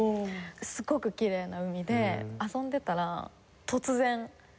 すごくきれいな海で遊んでたら突然豪雨が。